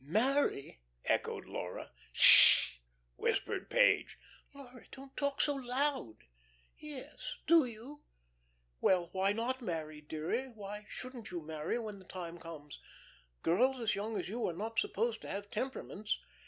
"Marry?" echoed Laura. "Sh h!" whispered Page. "Laura don't talk so loud. Yes, do you?" "Well, why not marry, dearie? Why shouldn't you marry when the time comes? Girls as young as you are not supposed to have temperaments."